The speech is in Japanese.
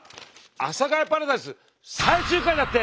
「阿佐ヶ谷パラダイス」最終回だって！